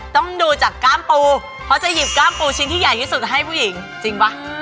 ต้องดูจากก้ามปูเพราะจะหยิบก้ามปูชิ้นที่ใหญ่ที่สุดให้ผู้หญิงจริงป่ะ